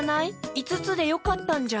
いつつでよかったんじゃ。